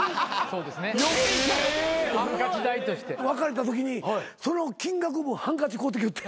別れたときにその金額分ハンカチ買うてきよって。